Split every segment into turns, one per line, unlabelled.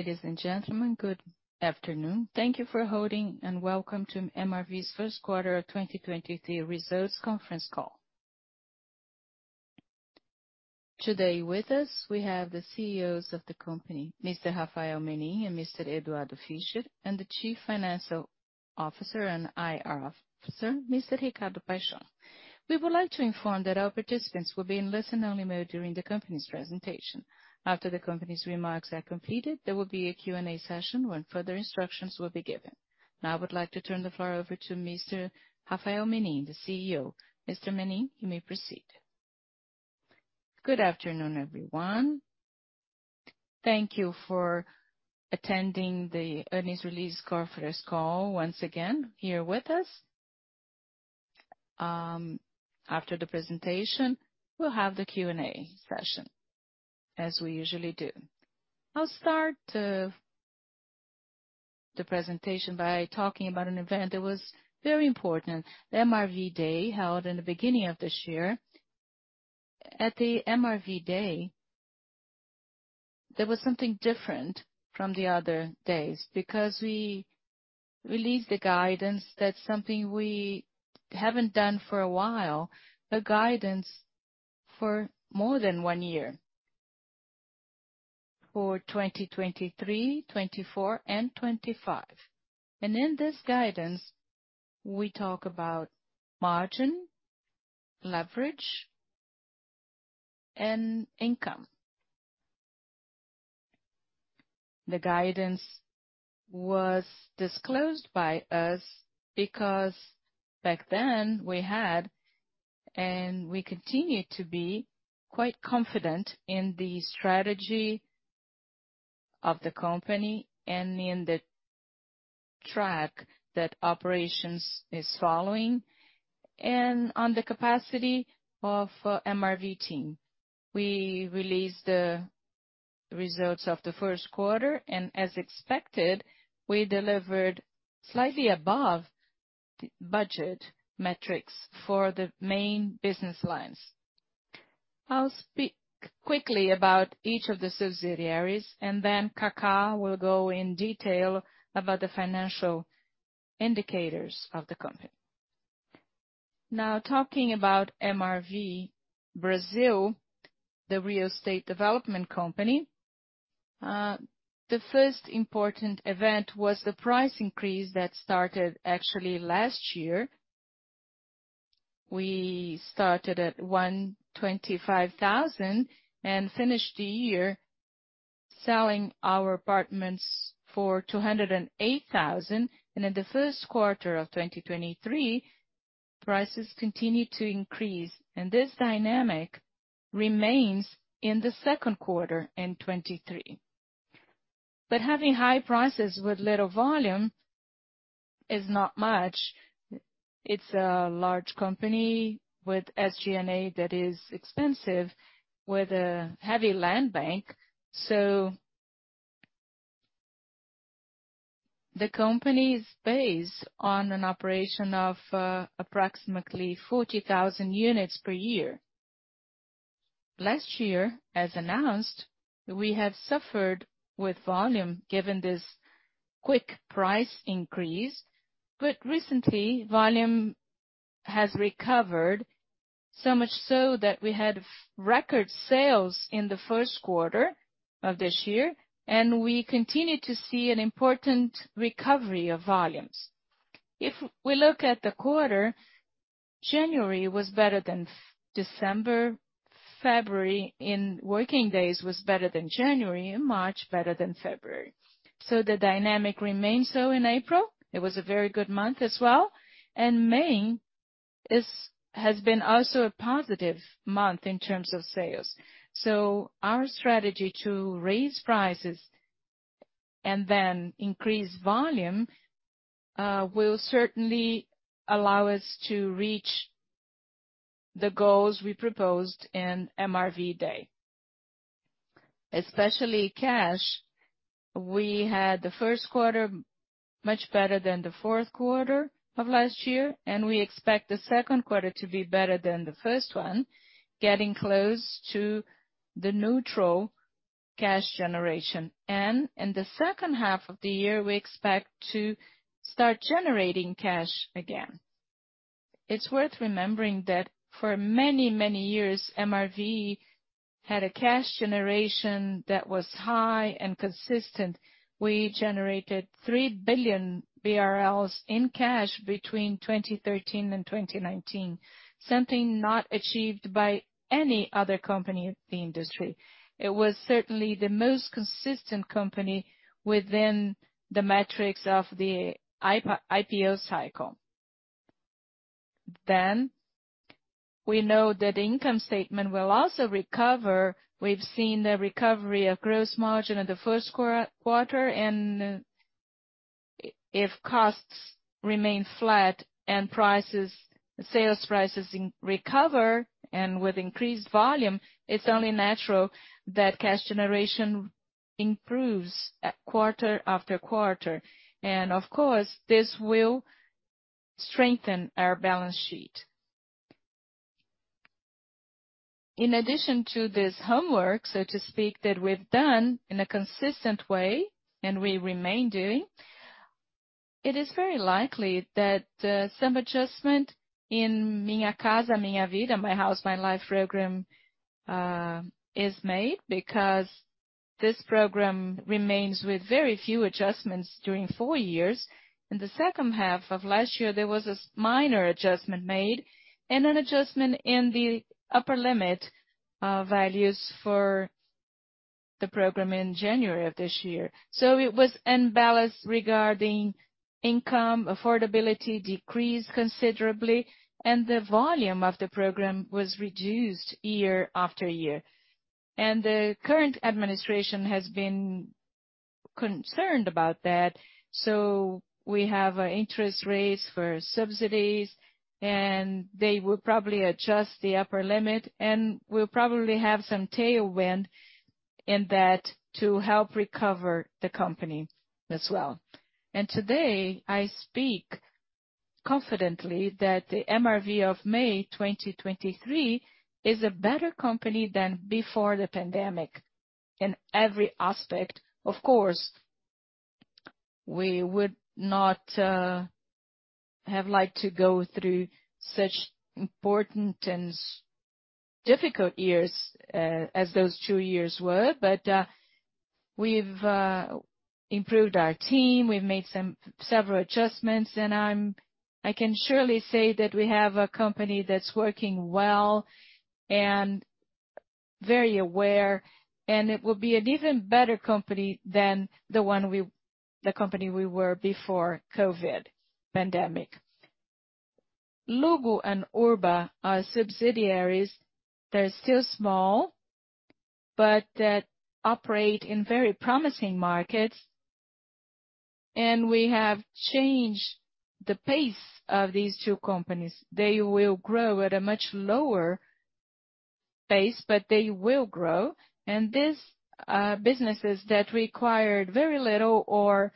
Ladies and gentlemen, good afternoon. Thank you for holding, welcome to MRV's First Quarter of 2023 Results conference call. Today with us, we have the CEOs of the company, Mr. Rafael Menin and Mr. Eduardo Fischer. The Chief Financial Officer and IR Officer, Mr. Ricardo Paixão. We would like to inform that our participants will be in listen-only mode during the company's presentation. After the company's remarks are completed, there will be a Q&A session when further instructions will be given. Now I would like to turn the floor over to Mr. Rafael Menin, the CEO. Mr. Menin, you may proceed.
Good afternoon, everyone. Thank you for attending the earnings release conference call once again here with us. After the presentation, we'll have the Q&A session, as we usually do. I'll start the presentation by talking about an event that was very important. The MRV Day, held in the beginning of this year. At the MRV Day, there was something different from the other days because we released the guidance. That's something we haven't done for a while. A guidance for more than one year. For 2023, 2024, and 2025. In this guidance, we talk about margin, leverage, and income. The guidance was disclosed by us because back then we had, and we continue to be quite confident in the strategy of the company and in the track that operations is following, and on the capacity of MRV team. We released the results of the first quarter. As expected, we delivered slightly above the budget metrics for the main business lines. I'll speak quickly about each of the subsidiaries, and then Kaká will go in detail about the financial indicators of the company. Talking about MRV Brazil, the real estate development company. The first important event was the price increase that started actually last year. We started at 125,000 and finished the year selling our apartments for 208,000. In the first quarter of 2023, prices continued to increase. This dynamic remains in the second quarter in 2023. Having high prices with little volume is not much. It's a large company with SG&A that is expensive, with a heavy land bank. The company's base on an operation of approximately 40,000 units per year. Last year, as announced, we have suffered with volume given this quick price increase. Recently volume has recovered, so much so that we had record sales in the first quarter of this year, and we continue to see an important recovery of volumes. If we look at the quarter, January was better than December. February in working days was better than January, and March better than February. The dynamic remained so in April. It was a very good month as well. May has been also a positive month in terms of sales. Our strategy to raise prices and then increase volume will certainly allow us to reach the goals we proposed in MRV Day. Especially cash, we had the first quarter much better than the fourth quarter of last year, and we expect the second quarter to be better than the first one, getting close to the neutral cash generation. In the second half of the year, we expect to start generating cash again. It's worth remembering that for many, many years, MRV had a cash generation that was high and consistent. We generated 3 billion BRL in cash between 2013 and 2019. Something not achieved by any other company in the industry. It was certainly the most consistent company within the metrics of the IPO cycle. We know that income statement will also recover. We've seen the recovery of gross margin in the first quarter. If costs remain flat and sales prices recover and with increased volume, it's only natural that cash generation improves at quarter after quarter. Of course, this will strengthen our balance sheet. In addition to this homework, so to speak, that we've done in a consistent way, and we remain doing, it is very likely that some adjustment in Minha Casa, Minha Vida, My House, My Life program is made because this program remains with very few adjustments during four years. In the second half of last year, there was a minor adjustment made and an adjustment in the upper limit, values for the program in January of this year. It was unbalanced regarding income, affordability decreased considerably, and the volume of the program was reduced year after year. The current administration has been concerned about that, so we have interest rates for subsidies, and they will probably adjust the upper limit, and we'll probably have some tailwind in that to help recover the company as well. Today, I speak confidently that the MRV of May 2023 is a better company than before the pandemic in every aspect. Of course, we would not have liked to go through such important and difficult years as those two years were. We've improved our team, we've made several adjustments, I can surely say that we have a company that's working well and very aware, and it will be an even better company than the company we were before COVID pandemic. Luggo and Urba are subsidiaries that are still small, but that operate in very promising markets. We have changed the pace of these two companies. They will grow at a much lower pace, but they will grow. These businesses that required very little or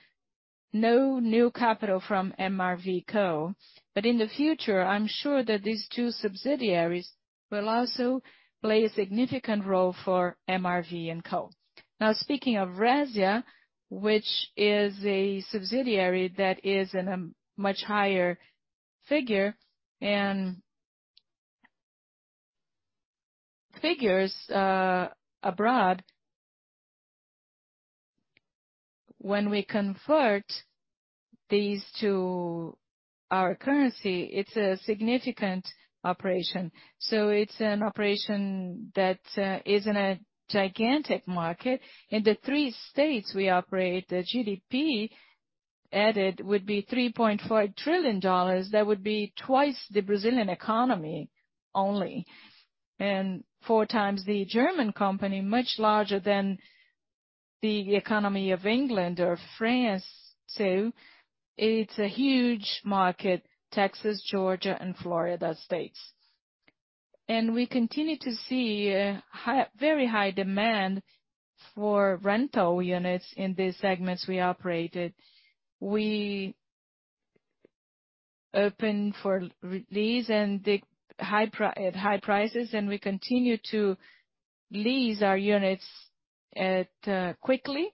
no new capital from MRV&Co. In the future, I'm sure that these two subsidiaries will also play a significant role for MRV&Co. Speaking of Resia, which is a subsidiary that is in a much higher figure and figures abroad. When we convert these to our currency, it's a significant operation. It's an operation that is in a gigantic market. In the three states we operate, the GDP added would be $3.4 trillion. That would be twice the Brazilian economy only, and four times the German company, much larger than the economy of England or France too. It's a huge market, Texas, Georgia, and Florida states. We continue to see a very high demand for rental units in these segments we operated. We open for lease at high prices, we continue to lease our units quickly.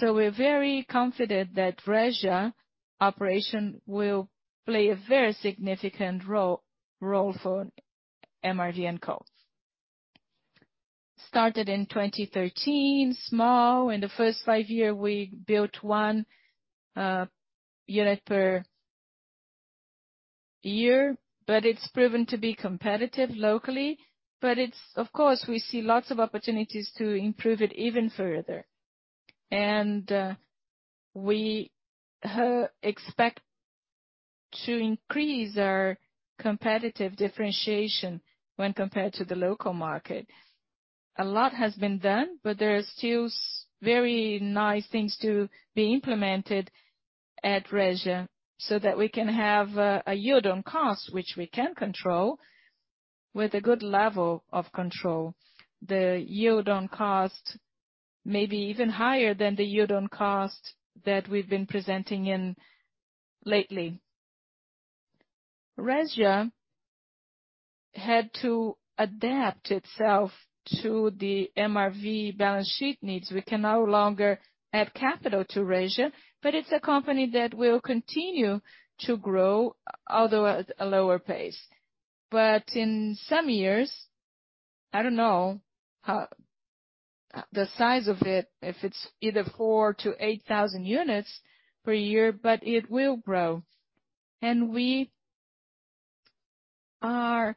We're very confident that Resia operation will play a very significant role for MRV&Co. Started in 2013, small. In the first five year, we built one unit per year, but it's proven to be competitive locally. It's, of course, we see lots of opportunities to improve it even further. We expect to increase our competitive differentiation when compared to the local market. A lot has been done, but there are still very nice things to be implemented at Resia so that we can have a yield on cost which we can control with a good level of control. The yield on cost may be even higher than the yield on cost that we've been presenting in lately. Resia had to adapt itself to the MRV balance sheet needs. We can no longer add capital to Resia, it's a company that will continue to grow, although at a lower pace. In some years, I don't know the size of it, if it's either 4,000-8,000 units per year, but it will grow. We are,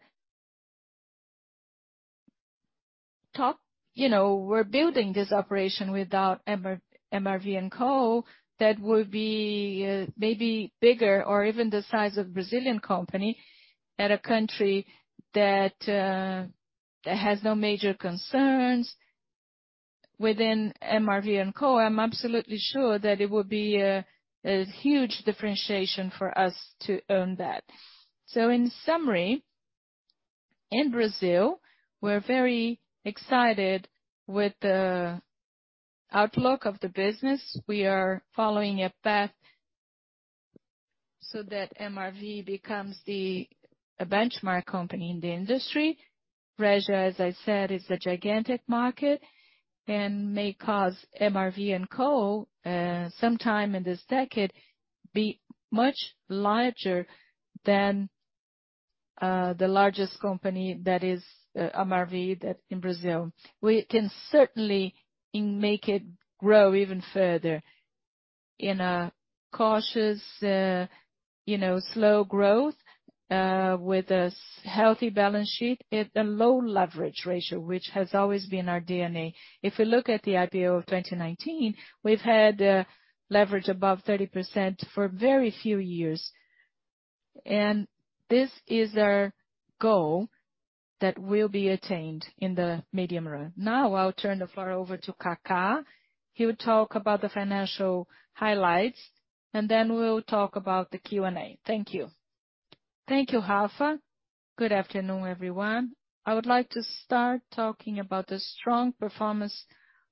you know, we're building this operation without MRV&Co. that will be maybe bigger or even the size of Brazilian company at a country that has no major concerns within MRV&Co. I'm absolutely sure that it would be a huge differentiation for us to own that. In summary, in Brazil, we're very excited with the outlook of the business. We are following a path so that MRV becomes a benchmark company in the industry. Resia, as I said, is a gigantic market and may cause MRV&Co sometime in this decade be much larger than the largest company that is MRV in Brazil. We can certainly make it grow even further in a cautious, you know, slow growth, with a healthy balance sheet at a low leverage ratio, which has always been our DNA. If we look at the IPO of 2019, we've had leverage above 30% for very few years. This is our goal that will be attained in the medium run. Now, I'll turn the floor over to Kaká. He will talk about the financial highlights, and then we'll talk about the Q&A. Thank you.
Thank you, Rafa. Good afternoon, everyone. I would like to start talking about the strong performance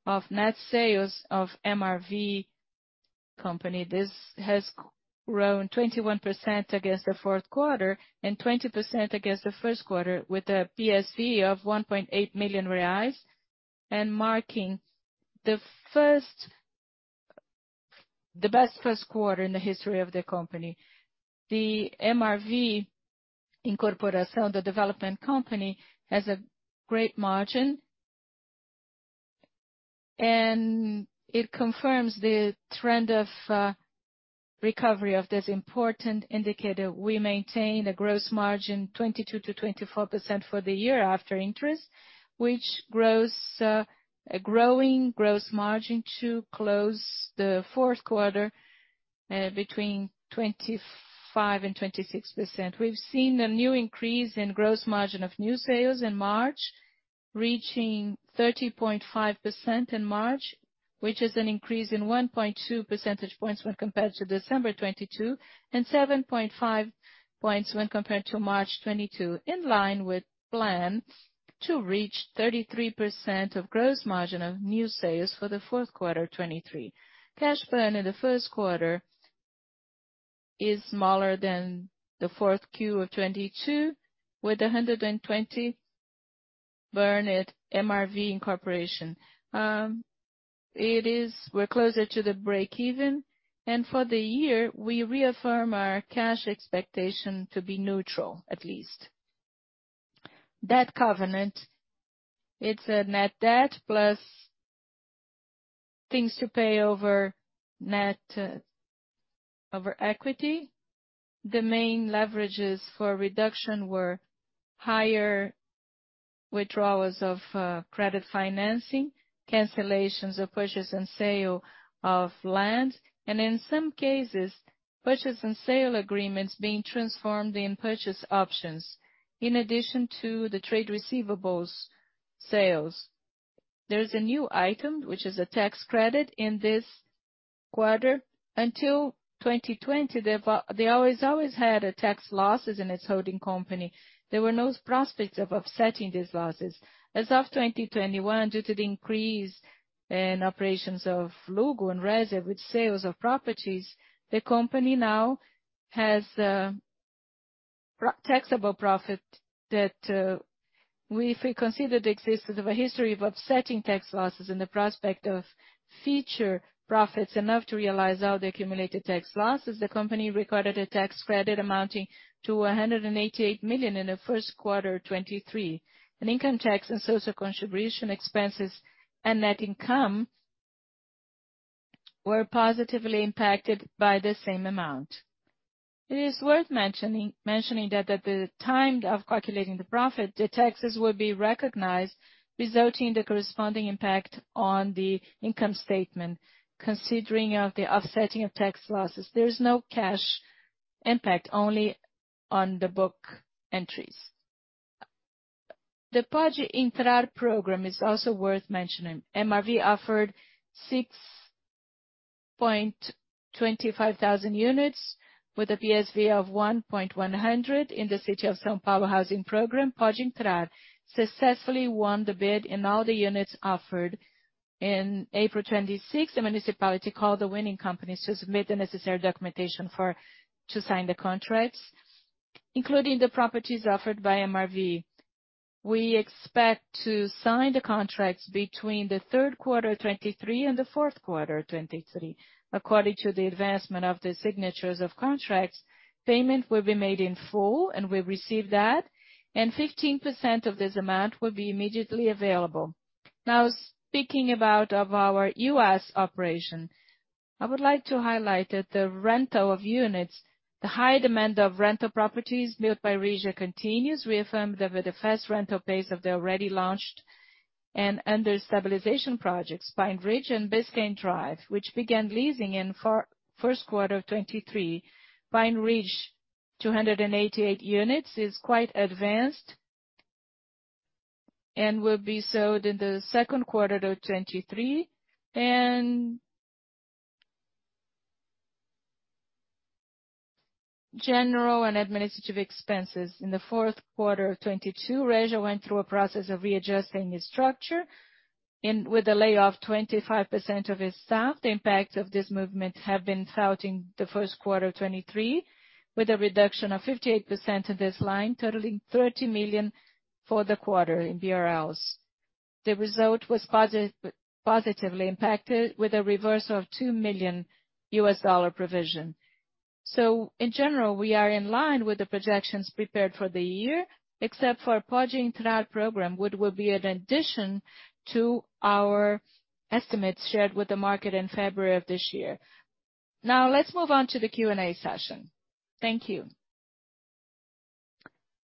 of net sales of MRV Company. This has grown 21% against the fourth quarter and 20% against the first quarter with a PSV of 1.8 million reais and marking the best first quarter in the history of the company. The MRV Incorporação, the development company, has a great margin. It confirms the trend of recovery of this important indicator. We maintain a gross margin 22%-24% for the year after interest, which grows, a growing gross margin to close the fourth quarter, between 25% and 26%. We've seen a new increase in gross margin of new sales in March, reaching 30.5% in March, which is an increase in 1.2 percentage points when compared to December 2022, and 7.5 points when compared to March 2022, in line with plan to reach 33% of gross margin of new sales for the fourth quarter 2023. Cash burn in the first quarter is smaller than the fourth Q of 2022, with 120 burned at MRV Incorporação. We're closer to the breakeven. For the year, we reaffirm our cash expectation to be neutral, at least. Debt covenant. It's a net debt plus things to pay over equity. The main leverages for reduction were higher withdrawals of credit financing, cancellations of purchase and sale of land, and in some cases, purchase and sale agreements being transformed in purchase options. In addition to the trade receivables sales. There is a new item, which is a tax credit in this quarter. Until 2020, they always had a tax losses in its holding company. There were no prospects of offsetting these losses. As of 2021, due to the increase in operations of Luggo and Resia with sales of properties, the company now has taxable profit that if we consider the existence of a history of offsetting tax losses and the prospect of future profits enough to realize all the accumulated tax losses, the company recorded a tax credit amounting to 188 million in the first quarter of 2023. Income tax and social contribution expenses and net income were positively impacted by the same amount. It is worth mentioning that at the time of calculating the profit, the taxes will be recognized, resulting in the corresponding impact on the income statement. Considering of the offsetting of tax losses, there is no cash impact, only on the book entries. The Pode Entrar program is also worth mentioning. MRV offered 6,250 units with a PSV of 1.100 in the city of São Paulo housing program. Pode Entrar successfully won the bid in all the units offered. In April 26, the municipality called the winning companies to submit the necessary documentation to sign the contracts, including the properties offered by MRV. We expect to sign the contracts between the third quarter 2023 and the fourth quarter 2023. According to the advancement of the signatures of contracts, payment will be made in full, and we'll receive that, and 15% of this amount will be immediately available. Now, speaking about of our U.S. operation. I would like to highlight that the rental of units, the high demand of rental properties built by Resia continues. We affirm that with the fast rental pace of the already launched and under stabilization projects, Pine Ridge and Biscayne Drive, which began leasing in first quarter of 2023. Pine Ridge, 288 units, is quite advanced and will be sold in the second quarter of 2023. General and administrative expenses. In the fourth quarter of 2022, Resia went through a process of readjusting its structure with the layoff 25% of its staff. The impact of this movement have been felt in the first quarter of 23, with a reduction of 58% in this line, totaling 30 million for the quarter. The result was positively impacted with a reversal of $2 million provision. In general, we are in line with the projections prepared for the year, except for our program, which will be an addition to our estimates shared with the market in February of this year. Now let's move on to the Q&A session. Thank you.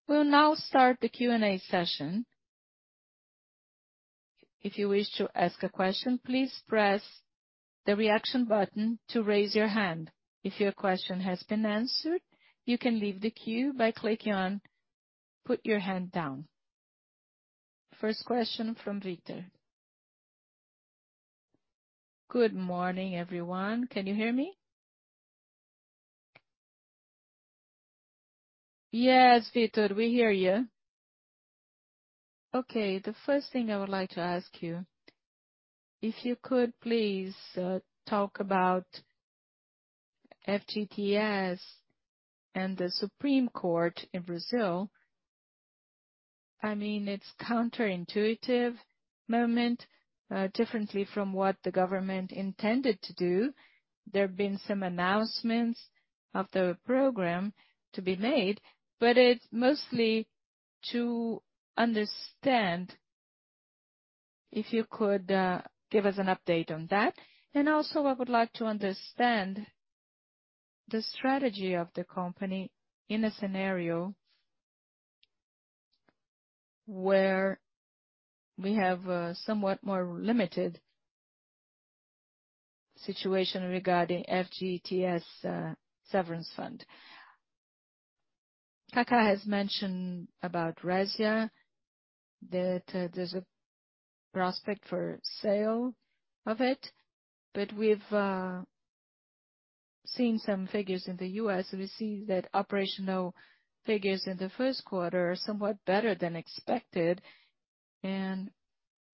We'll now start the Q&A session. If you wish to ask a question, please press the reaction button to raise your hand. If your question has been answered, you can leave the queue by clicking on Put Your Hand Down. First question from Victor.
Good morning, everyone. Can you hear me?
Yes, Victor, we hear you.
Okay, the first thing I would like to ask you, if you could please talk about FGTS and the Supreme Court in Brazil. I mean, it's counterintuitive moment, differently from what the government intended to do. There have been some announcements of the program to be made, it's mostly to understand if you could give us an update on that. Also I would like to understand the strategy of the company in a scenario where we have a somewhat more limited situation regarding FGTS severance fund. Kaká has mentioned about Resia, that there's a prospect for sale of it, we've seen some figures in the U.S., we see that operational figures in the first quarter are somewhat better than expected.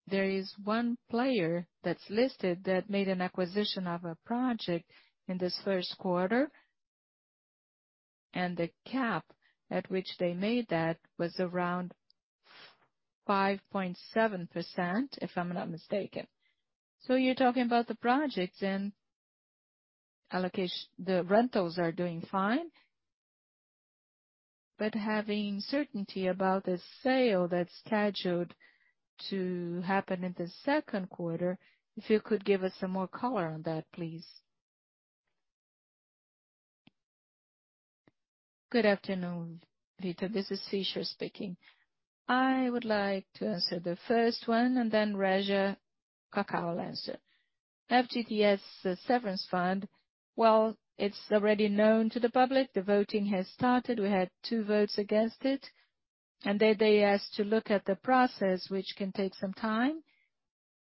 There is one player that's listed that made an acquisition of a project in this first quarter, the cap at which they made that was around 5.7%, if I'm not mistaken. You're talking about the projects and the rentals are doing fine. Having certainty about the sale that's scheduled to happen in the second quarter, if you could give us some more color on that, please.
Good afternoon, Victor. This is Fischer speaking. I would like to answer the first one, Resia, Kaká will answer. FGTS severance fund, well, it's already known to the public. The voting has started. We had two votes against it. They asked to look at the process, which can take some time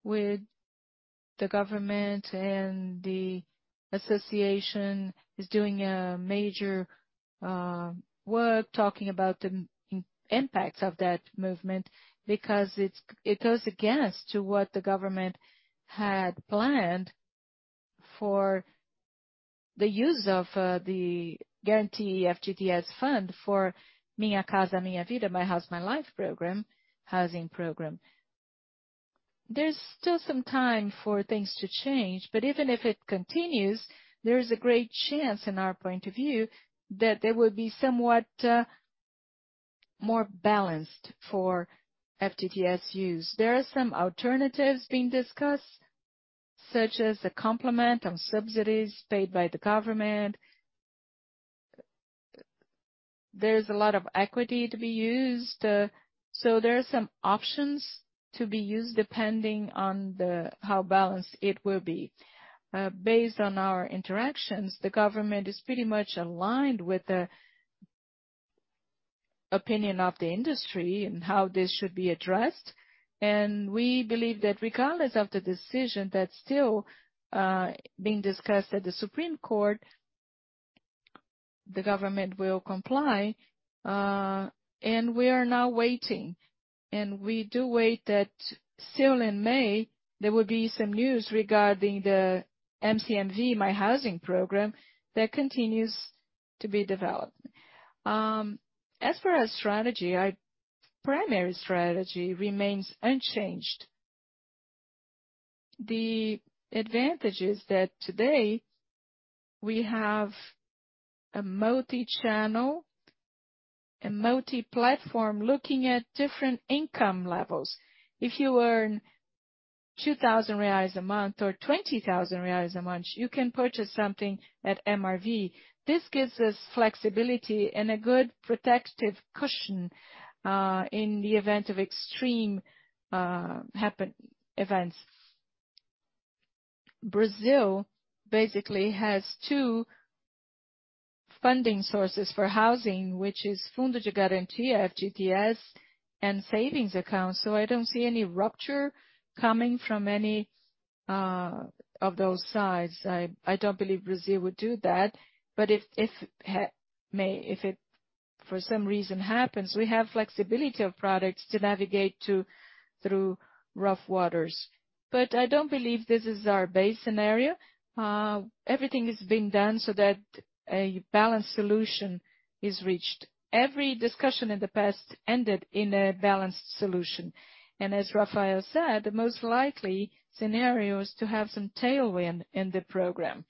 with the government and the association is doing a major work talking about the impacts of that movement because it goes against to what the government had planned for the use of the guarantee FGTS fund for Minha Casa, Minha Vida, My House, My Life program, housing program. There's still some time for things to change, but even if it continues, there is a great chance in our point of view that they would be somewhat more balanced for FGTS use. There are some alternatives being discussed, such as a complement on subsidies paid by the government. There's a lot of equity to be used. So there are some options to be used depending on the, how balanced it will be. Based on our interactions, the government is pretty much aligned with the opinion of the industry and how this should be addressed. We believe that regardless of the decision that's still being discussed at the Supreme Court, the government will comply. We are now waiting, and we do wait that still in May, there will be some news regarding the MCMV, My Housing program, that continues to be developed. As for our strategy, our primary strategy remains unchanged. The advantage is that today we have a multi-channel, a multi-platform looking at different income levels. If you earn 2,000 reais a month or 20,000 reais a month, you can purchase something at MRV. This gives us flexibility and a good protective cushion in the event of extreme events. Brazil basically has two funding sources for housing, which is Fundo de Garantia, FGTS, and savings accounts. I don't see any rupture coming from any of those sides. I don't believe Brazil would do that. If for some reason happens, we have flexibility of products to navigate through rough waters. I don't believe this is our base scenario. Everything is being done so that a balanced solution is reached. Every discussion in the past ended in a balanced solution. As Rafael said, the most likely scenario is to have some tailwind in the program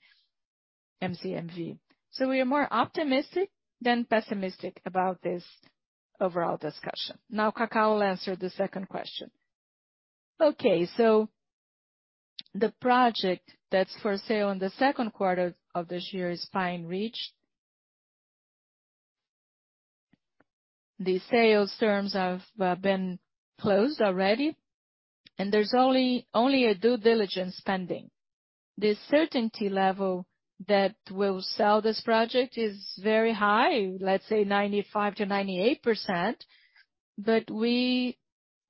MCMV. We are more optimistic than pessimistic about this overall discussion. Now, Kaká will answer the second question.
Okay. The project that's for sale in the second quarter of this year is Pine Ridge. The sales terms have been closed already, and there's only a due diligence pending. The certainty level that will sell this project is very high, let's say 95%-98%, but we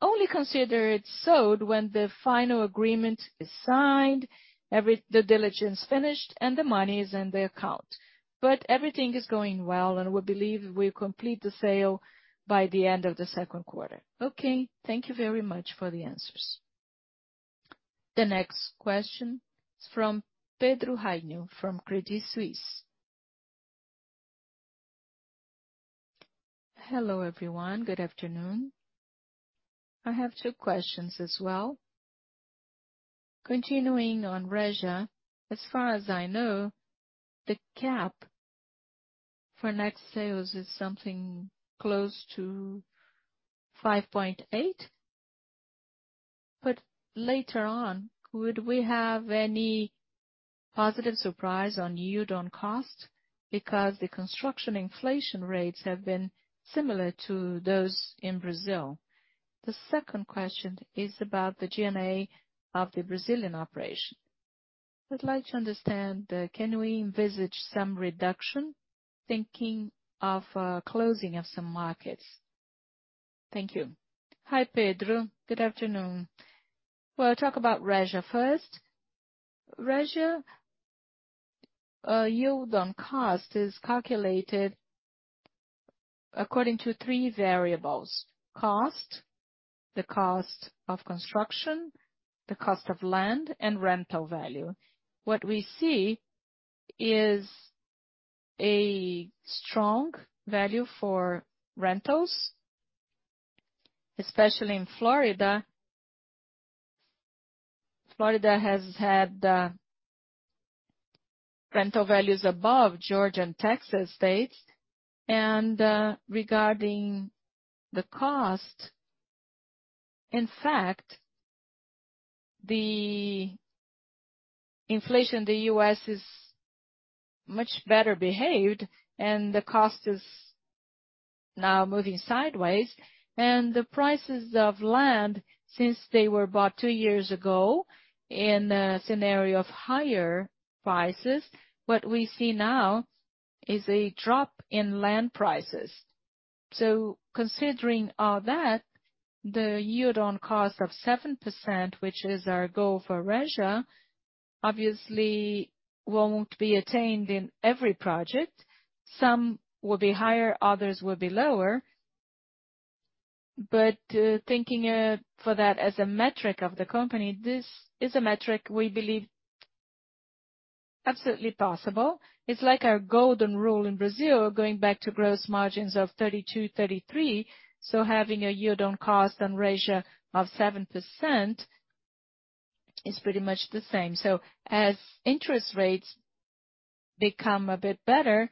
only consider it sold when the final agreement is signed, the diligence finished, and the money is in the account. Everything is going well, and we believe we complete the sale by the end of the second quarter.
Okay. Thank you very much for the answers.
The next question is from Pedro Rainho from Credit Suisse.
Hello, everyone. Good afternoon. I have two questions as well. Continuing on Resia. As far as I know, the cap for next sales is something close to 5.8%, but later on, would we have any positive surprise on yield on cost? Because the construction inflation rates have been similar to those in Brazil. The second question is about the G&A of the Brazilian operation. I'd like to understand, can we envisage some reduction, thinking of closing of some markets? Thank you.
Hi, Pedro. Good afternoon. We'll talk about Resia first. Resia, yield on cost is calculated according to three variables: cost, the cost of construction, the cost of land, and rental value. What we see is a strong value for rentals, especially in Florida. Florida has had rental values above Georgia and Texas states. Regarding the cost, in fact, the inflation in the U.S. is much better behaved, and the cost is now moving sideways. The prices of land since they were bought two years ago in a scenario of higher prices, what we see now is a drop in land prices. Considering all that, the yield on cost of 7%, which is our goal for Resia, obviously won't be attained in every project. Some will be higher, others will be lower. Thinking for that as a metric of the company, this is a metric we believe absolutely possible. It's like our golden rule in Brazil, going back to gross margins of 32%, 33%. Having a yield on cost on Resia of 7% is pretty much the same. As interest rates become a bit better,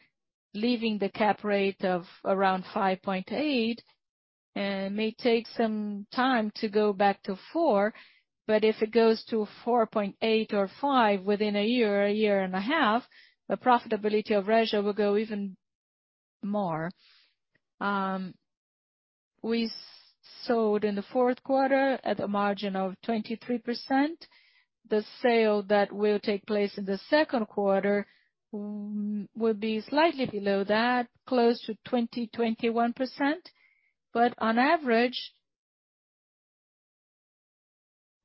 leaving the cap rate of around 5.8, it may take some time to go back to four, but if it goes to 4.8 or five within a year or a year and a half, the profitability of Resia will go even more. We sold in the fourth quarter at a margin of 23%. The sale that will take place in the second quarter, will be slightly below that, close to 20%-21%. On average,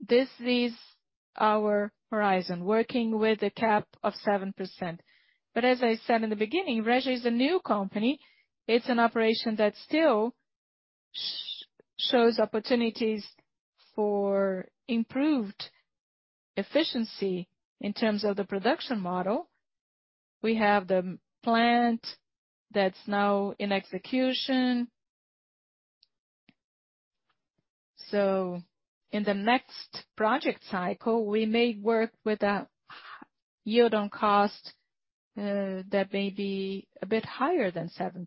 this is our horizon, working with a cap of 7%. As I said in the beginning, Resia is a new company. It's an operation that still shows opportunities for improved efficiency in terms of the production model. We have the plant that's now in execution. In the next project cycle, we may work with a yield on cost that may be a bit higher than 7%,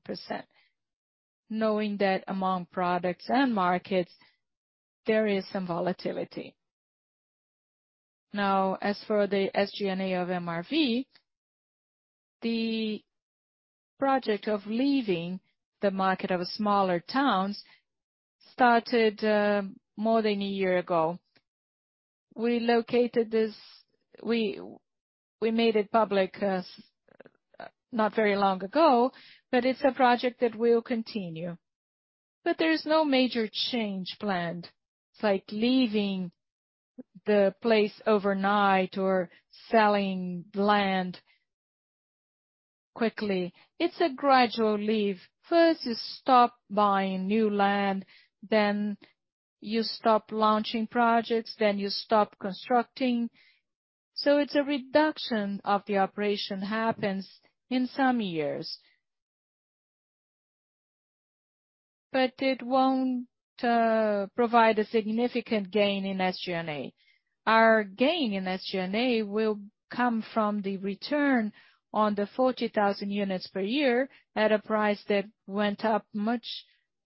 knowing that among products and markets, there is some volatility. As for the SG&A of MRV, the project of leaving the market of smaller towns started more than a year ago. We made it public, not very long ago, but it's a project that will continue. There's no major change planned, like leaving the place overnight or selling land quickly. It's a gradual leave. First you stop buying new land, then you stop launching projects, then you stop constructing. It's a reduction of the operation happens in some years. It won't provide a significant gain in SG&A. Our gain in SG&A will come from the return on the 40,000 units per year at a price that went up much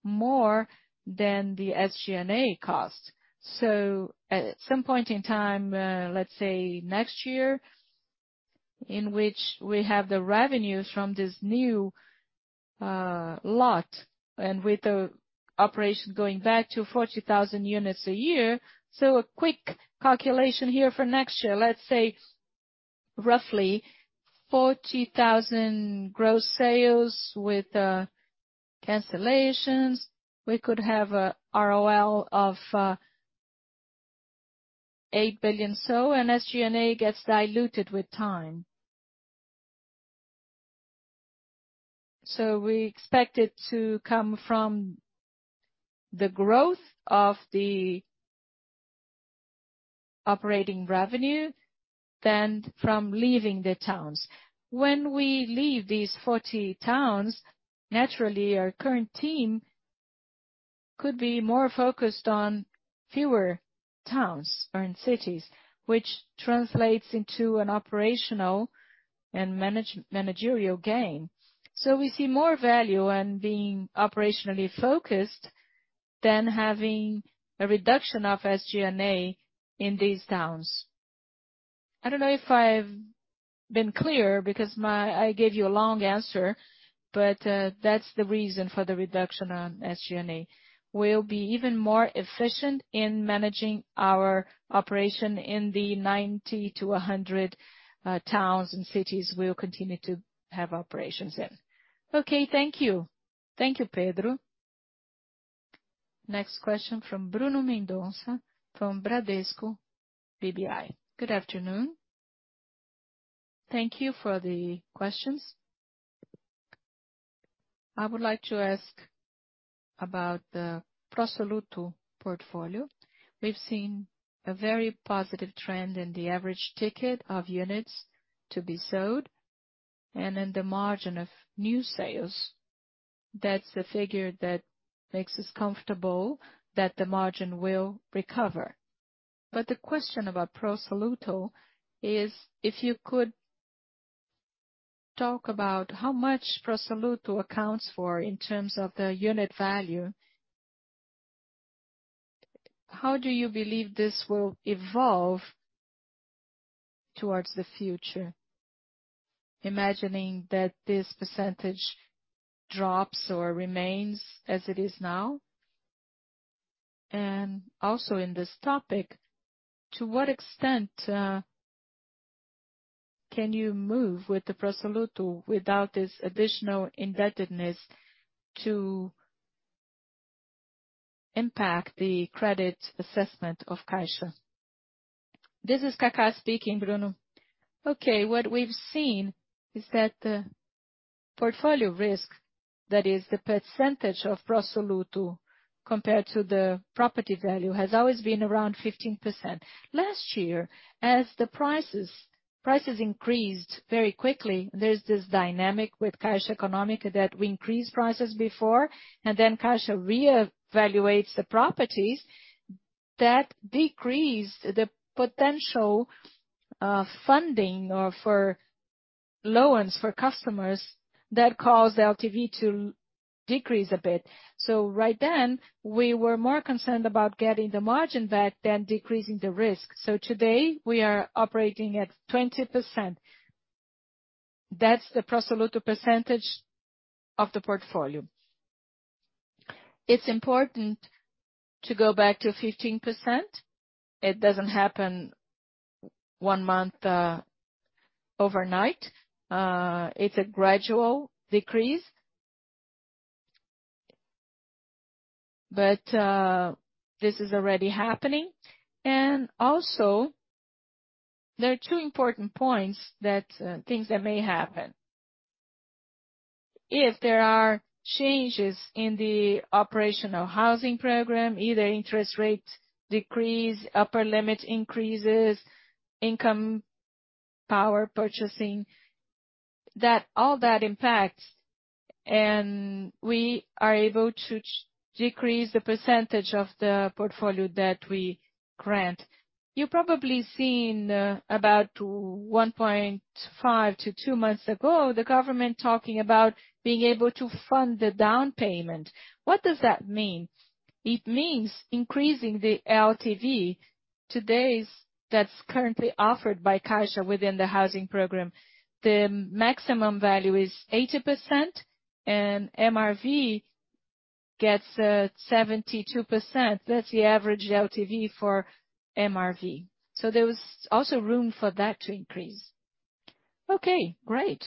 more than the SG&A cost. At some point in time, let's say next year, in which we have the revenues from this new lot and with the operation going back to 40,000 units a year. A quick calculation here for next year. Let's say roughly 40,000 gross sales with cancellations. We could have a ROL of 8 billion. SG&A gets diluted with time. We expect it to come from the growth of the operating revenue than from leaving the towns. When we leave these 40 towns, naturally, our current team could be more focused on fewer towns or in cities, which translates into an operational and managerial gain. We see more value in being operationally focused than having a reduction of SG&A in these towns. I don't know if I've been clear because I gave you a long answer, but that's the reason for the reduction on SG&A. We'll be even more efficient in managing our operation in the 90-100 towns and cities we'll continue to have operations in.
Thank you.
Thank you, Pedro.
Next question from Bruno Mendonça from Bradesco BBI.
Good afternoon. Thank you for the questions. I would like to ask about the Pro Soluto portfolio. We've seen a very positive trend in the average ticket of units to be sold and in the margin of new sales. That's a figure that makes us comfortable that the margin will recover. The question about Pro Soluto is if you could talk about how much Pro Soluto accounts for in terms of the unit value. How do you believe this will evolve towards the future, imagining that this percentage drops or remains as it is now? Also in this topic, to what extent can you move with the Pro Soluto without this additional indebtedness to impact the credit assessment of Caixa?
This is Kaká speaking, Bruno. What we've seen is that the portfolio risk, that is the percentage of Pro Soluto compared to the property value, has always been around 15%. Last year, as the prices increased very quickly, there's this dynamic with Caixa Econômica that we increased prices before, and then Caixa reevaluates the properties. That decreased the potential funding or for loans for customers that caused LTV to decrease a bit. Right then, we were more concerned about getting the margin back than decreasing the risk. Today we are operating at 20%. That's the Pro Soluto percentage of the portfolio. It's important to go back to 15%. It doesn't happen overnight. It's a gradual decrease. This is already happening. Also, there are two important points that things that may happen. If there are changes in the operational housing program, either interest rate decrease, upper limit increases, income power purchasing, all that impacts. We are able to decrease the % of the portfolio that we grant. You probably seen about 1.5 to two months ago, the government talking about being able to fund the down payment. What does that mean? It means increasing the LTV. Today's that's currently offered by Caixa within the housing program. The maximum value is 80%. MRV gets 72%. That's the average LTV for MRV. There is also room for that to increase.
Okay, great.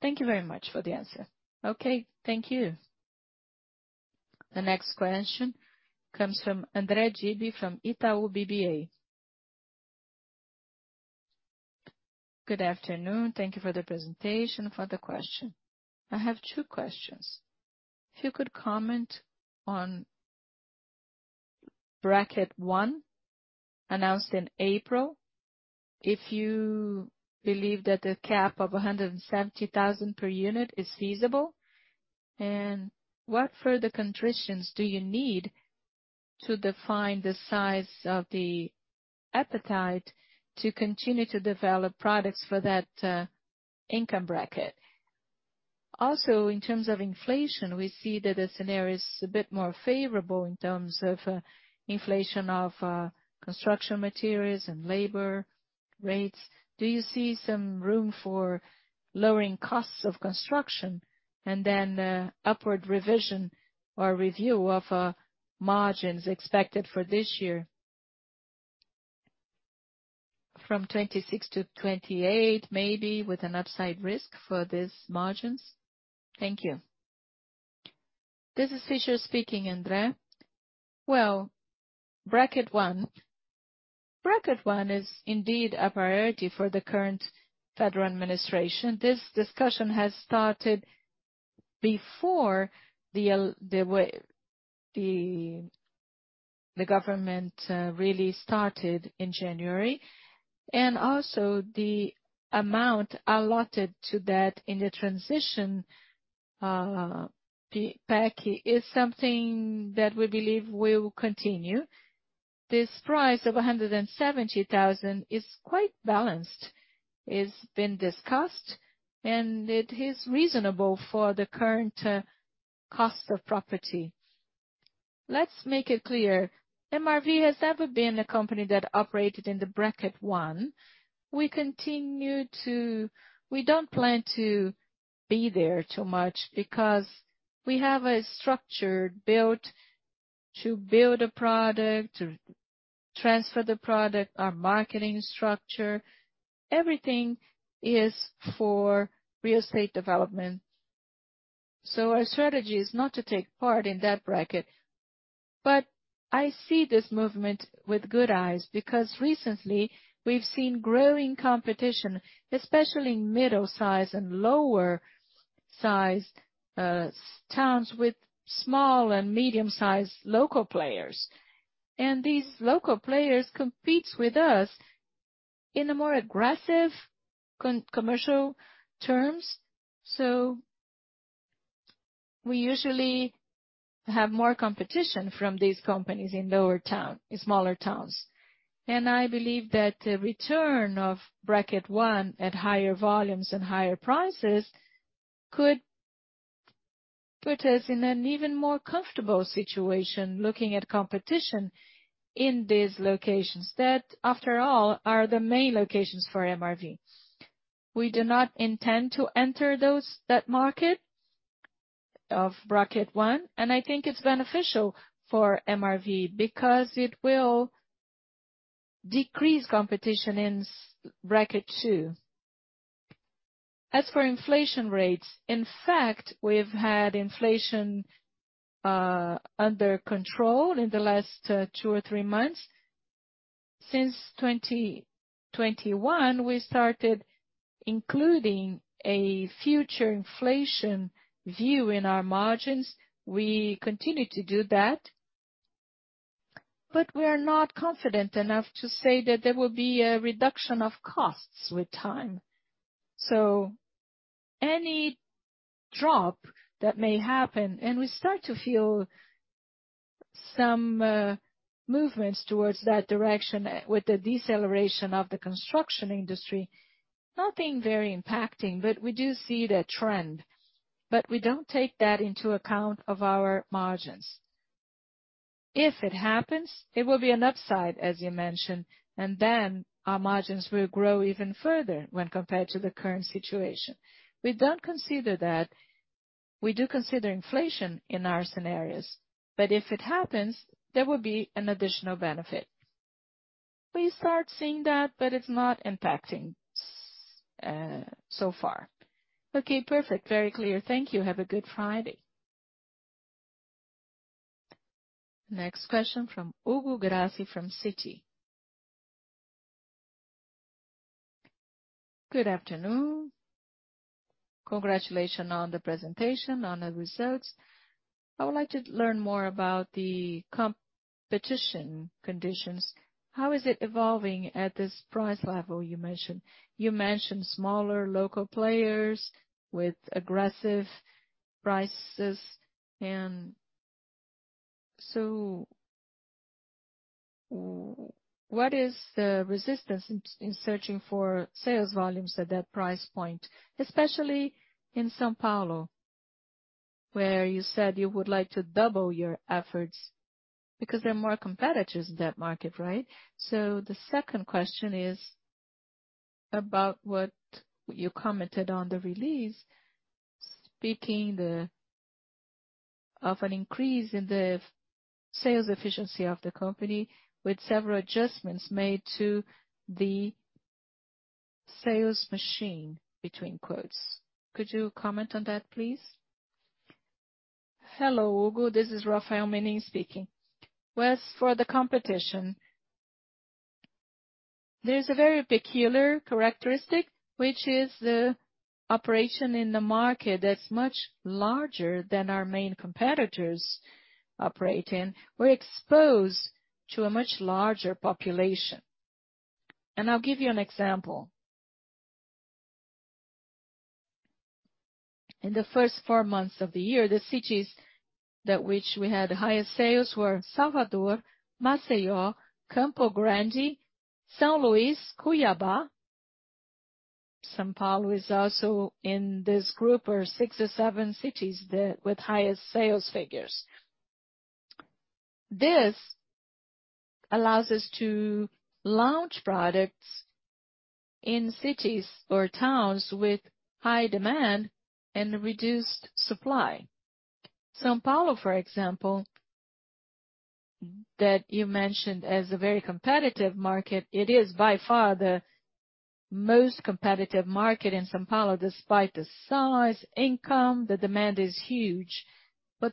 Thank you very much for the answer.
Okay, thank you.
The next question comes from André Dibe from Itaú BBA.
Good afternoon. Thank you for the presentation, for the question. I have two questions. If you could comment on bracket one announced in April, if you believe that the cap of 170,000 per unit is feasible. What further constrictions do you need to define the size of the appetite to continue to develop products for that income bracket? Also, in terms of inflation, we see that the scenario is a bit more favorable in terms of inflation of construction materials and labor rates. Do you see some room for lowering costs of construction and then upward revision or review of margins expected for this year? From 26%-28%, maybe with an upside risk for these margins. Thank you.
This is Fischer speaking, André. Well, bracket one. Bracket one is indeed a priority for the current federal administration. This discussion has started before the government really started in January, and also the amount allotted to that in the transition pack is something that we believe will continue. This price of 170,000 is quite balanced. It's been discussed, and it is reasonable for the current cost of property. Let's make it clear. MRV has never been a company that operated in the bracket one. We don't plan to be there too much because we have a structure built to build a product, to transfer the product, our marketing structure. Everything is for real estate development. Our strategy is not to take part in that bracket. I see this movement with good eyes because recently we've seen growing competition, especially in middle-size and lower-sized towns with small and medium-sized local players. These local players competes with us in a more aggressive commercial terms. We usually have more competition from these companies in smaller towns. I believe that the return of bracket one at higher volumes and higher prices could put us in an even more comfortable situation looking at competition in these locations that, after all, are the main locations for MRV. We do not intend to enter that market of bracket one, and I think it's beneficial for MRV because it will decrease competition in bracket two. As for inflation rates, in fact, we've had inflation under control in the last two or three months. Since 2021, we started including a future inflation view in our margins. We continue to do that, but we are not confident enough to say that there will be a reduction of costs with time. Any drop that may happen, and we start to feel some movements towards that direction with the deceleration of the construction industry, nothing very impacting, but we do see the trend. We don't take that into account of our margins. If it happens, it will be an upside, as you mentioned, our margins will grow even further when compared to the current situation. We don't consider that. We do consider inflation in our scenarios, but if it happens, there will be an additional benefit. We start seeing that, but it's not impacting so far.
Perfect. Very clear. Thank you. Have a good Friday.
Next question from Hugo Grassi from Citi.
Good afternoon. Congratulations on the presentation, on the results. I would like to learn more about the competition conditions. How is it evolving at this price level you mentioned? You mentioned smaller local players with aggressive prices. What is the resistance in searching for sales volumes at that price point, especially in São Paulo, where you said you would like to double your efforts because there are more competitors in that market, right? The second question is about what you commented on the release, speaking of an increase in the sales efficiency of the company with several adjustments made to the sales machine, between quotes. Could you comment on that, please?
Hello, Hugo. This is Rafael Menin speaking. Well, as for the competition, there's a very peculiar characteristic, which is the operation in the market that's much larger than our main competitors operate in. We're exposed to a much larger population. I'll give you an example. In the first four months of the year, the cities that which we had highest sales were Salvador, Maceió, Campo Grande, São Luís, Cuiabá. São Paulo is also in this group or six or seven cities with highest sales figures. This allows us to launch products in cities or towns with high demand and reduced supply. São Paulo, for example, that you mentioned as a very competitive market, it is by far the most competitive market in São Paulo. Despite the size, income, the demand is huge.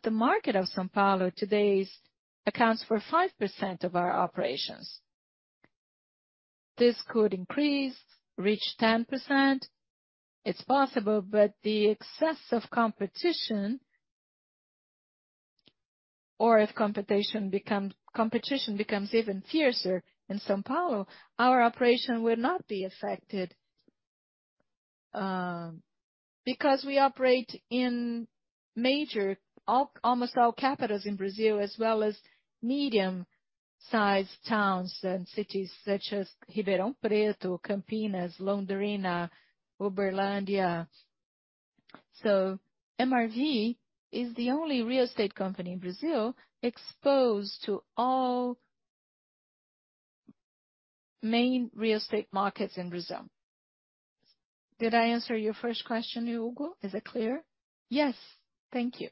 The market of São Paulo today accounts for 5% of our operations. This could increase, reach 10%. It's possible, the excess of competition or if competition becomes even fiercer in São Paulo, our operation will not be affected, because we operate in major, almost all capitals in Brazil, as well as medium-sized towns and cities such as Ribeirão Preto, Campinas, Londrina, Uberlândia. MRV is the only real estate company in Brazil exposed to all main real estate markets in Brazil. Did I answer your first question, Hugo? Is it clear?
Yes. Thank you.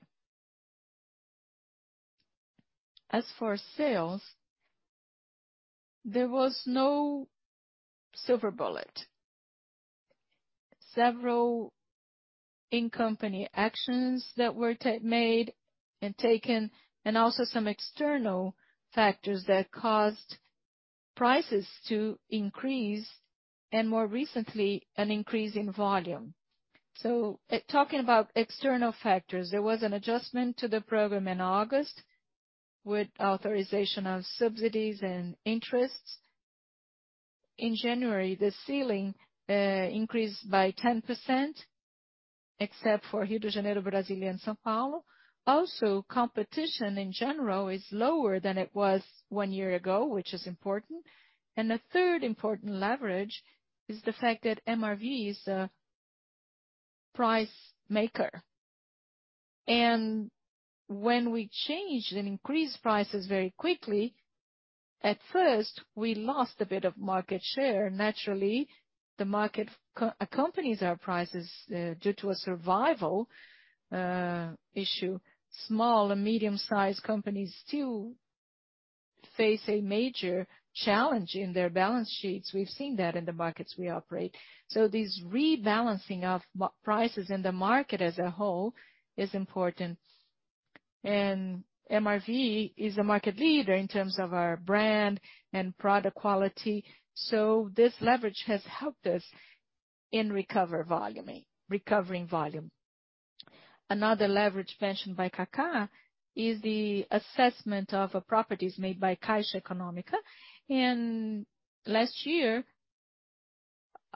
As for sales, there was no silver bullet. Several in-company actions that were made and taken, and also some external factors that caused prices to increase, and more recently, an increase in volume. Talking about external factors, there was an adjustment to the program in August with authorization of subsidies and interests. In January, the ceiling increased by 10%, except for Rio de Janeiro, Brasília, and São Paulo. Competition in general is lower than it was one year ago, which is important. The 3rd important leverage is the fact that MRV is a price maker. When we changed and increased prices very quickly, at first, we lost a bit of market share. Naturally, the market co-accompanies our prices due to a survival issue. Small and medium-sized companies still face a major challenge in their balance sheets. We've seen that in the markets we operate. This rebalancing of prices in the market as a whole is important. MRV is a market leader in terms of our brand and product quality. This leverage has helped us in recovering volume. Another leverage mentioned by Kaká is the assessment of a properties made by Caixa Econômica. Last year,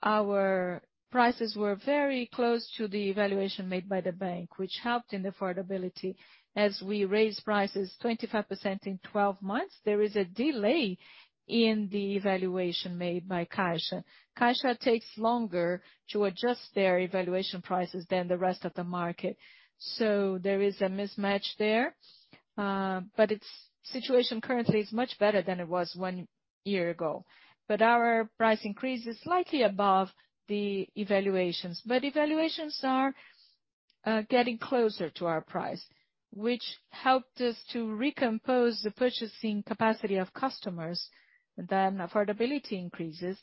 our prices were very close to the evaluation made by the bank, which helped in affordability. As we raised prices 25% in 12 months, there is a delay in the evaluation made by Caixa. Caixa takes longer to adjust their evaluation prices than the rest of the market. There is a mismatch there. Its situation currently is much better than it was one year ago. Our price increase is slightly above the evaluations. Evaluations are getting closer to our price, which helped us to recompose the purchasing capacity of customers, then affordability increases.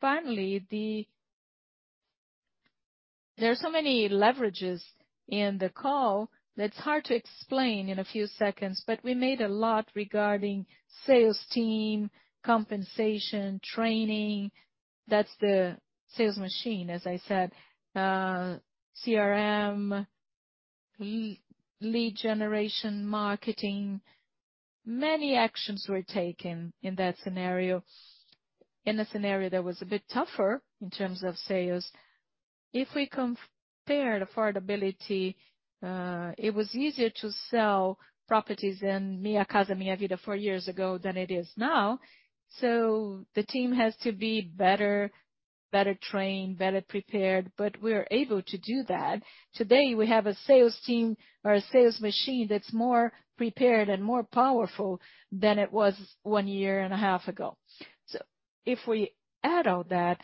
Finally, There are so many leverages in the call that's hard to explain in a few seconds, but we made a lot regarding sales team, compensation, training. That's the sales machine, as I said. CRM, lead generation, marketing. Many actions were taken in that scenario. In a scenario that was a bit tougher in terms of sales, if we compared affordability, it was easier to sell properties in Minha Casa, Minha Vida four years ago than it is now. The team has to be better trained, better prepared, but we're able to do that. Today, we have a sales team or a sales machine that's more prepared and more powerful than it was one year and a half ago. If we add all that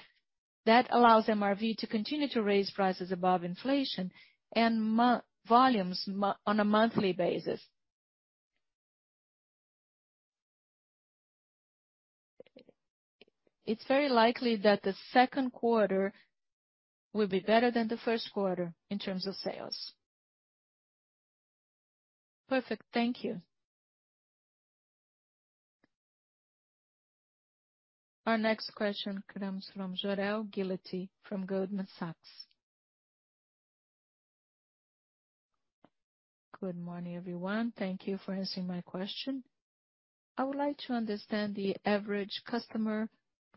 allows MRV to continue to raise prices above inflation and volumes on a monthly basis. It's very likely that the second quarter will be better than the first quarter in terms of sales.
Perfect. Thank you.
Our next question comes from Jorel Guilloty from Goldman Sachs.
Good morning, everyone. Thank you for answering my question. I would like to understand the average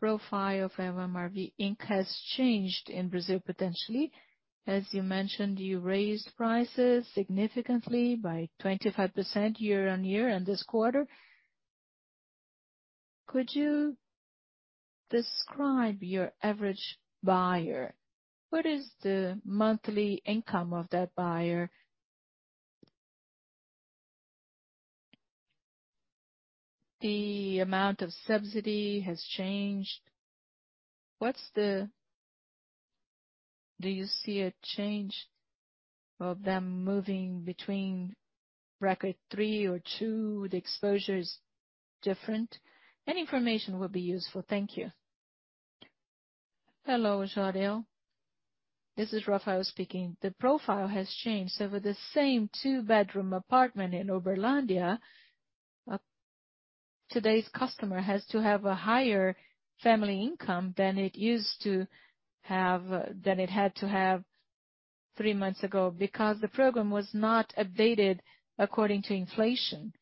customer profile of MRV Inc has changed in Brazil potentially. As you mentioned, you raised prices significantly by 25% year-over-year in this quarter. Could you describe your average buyer? What is the monthly income of that buyer? The amount of subsidy has changed. Do you see a change of them moving between bracket three or two? The exposure is different. Any information will be useful. Thank you.
Hello, Jorel. This is Rafael speaking. The profile has changed. For the same two-bedroom apartment in Uberlandia, today's customer has to have a higher family income than it used to have, than it had to have three months ago because the program was not updated according to inflation.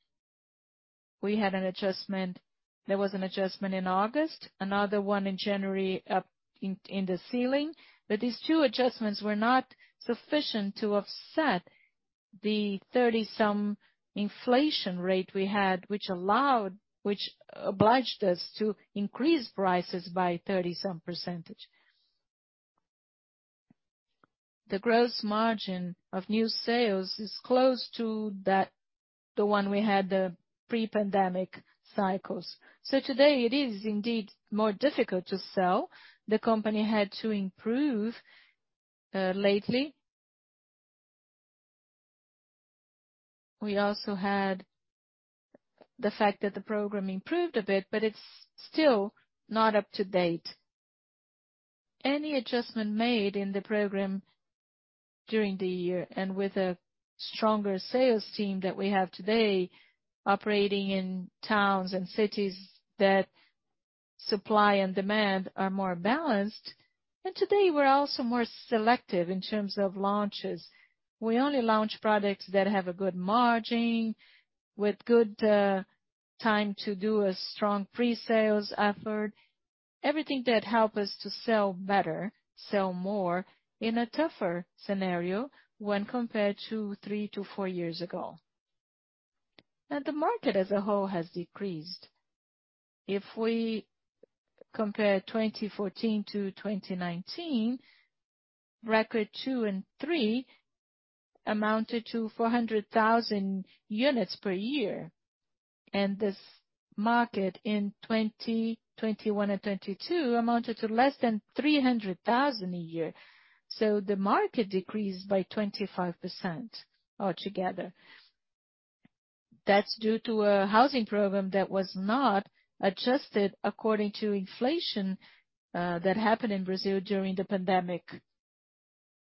We had an adjustment. There was an adjustment in August, another one in January up in the ceiling. These two adjustments were not sufficient to offset the 30-some inflation rate we had, which obliged us to increase prices by 30-some%. The gross margin of new sales is close to that, the one we had the pre-pandemic cycles. Today it is indeed more difficult to sell. The company had to improve lately. We also had the fact that the program improved a bit, but it's still not up to date. Any adjustment made in the program during the year and with a stronger sales team that we have today operating in towns and cities that supply and demand are more balanced. Today we're also more selective in terms of launches. We only launch products that have a good margin with good time to do a strong pre-sales effort. Everything that help us to sell better, sell more in a tougher scenario when compared to three to four years ago. The market as a whole has decreased. If we compare 2014 to 2019, bracket two and three amounted to 400,000 units per year. This market in 2021 and 22 amounted to less than 300,000 a year. The market decreased by 25% altogether. That's due to a housing program that was not adjusted according to inflation that happened in Brazil during the pandemic.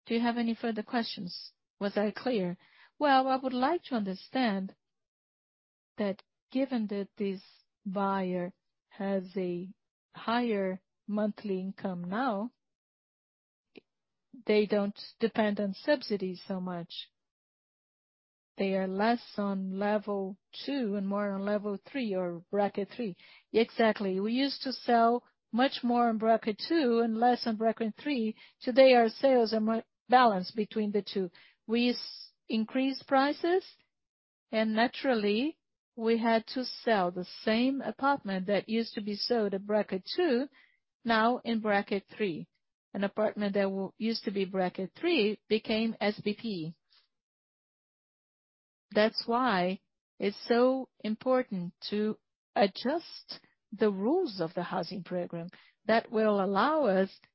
Do you have any further questions? Was that clear?
Well, I would like to understand that given that this buyer has a higher monthly income now, they don't depend on subsidies so much. They are less on bracket two and more on bracket three.
Exactly. We used to sell much more on bracket two and less on bracket three. Today, our sales are more balanced between the two. We increase prices, naturally, we had to sell the same apartment that used to be sold at bracket two, now in bracket three. An apartment that used to be bracket three became SBPE. That's why it's so important to adjust the rules of the housing program that will allow us to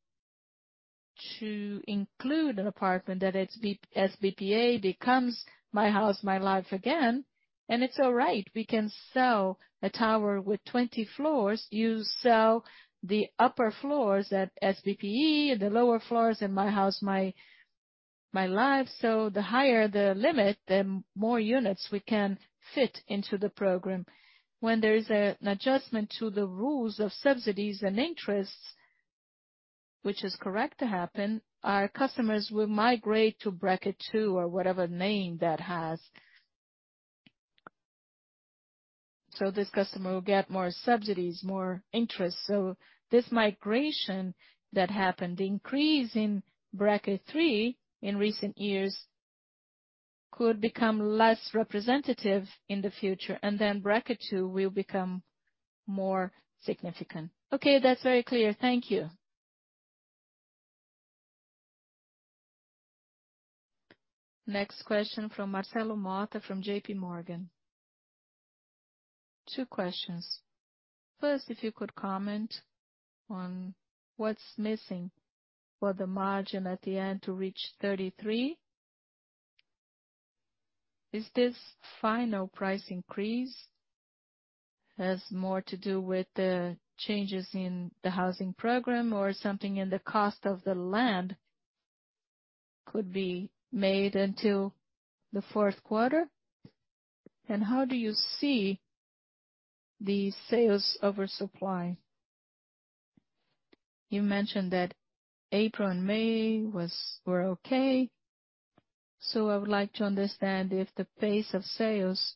include an apartment that it's SBPE becomes Minha Casa, Minha Vida again. It's all right. We can sell a tower with 20 floors. You sell the upper floors at SBPE and the lower floors in Minha Casa, Minha Vida. The higher the limit, the more units we can fit into the program. When there is an adjustment to the rules of subsidies and interests, which is correct to happen, our customers will migrate to bracket two or whatever name that has. This customer will get more subsidies, more interest. This migration that happened, the increase in bracket three in recent years could become less representative in the future. Bracket two will become more significant.
Okay, that's very clear. Thank you.
Next question from Marcelo Motta from J.P. Morgan.
Two questions. First, if you could comment on what's missing for the margin at the end to reach 33%. Is this final price increase has more to do with the changes in the housing program or something in the cost of the land could be made until the fourth quarter? How do you see the sales oversupply? You mentioned that April and May were okay. I would like to understand if the pace of sales